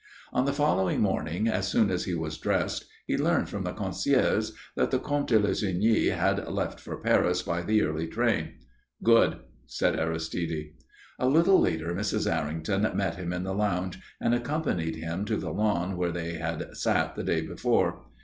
On the following morning, as soon as he was dressed, he learned from the Concierge that the Comte de Lussigny had left for Paris by the early train. "Good," said Aristide. A little later Mrs. Errington met him in the lounge and accompanied him to the lawn where they had sat the day before.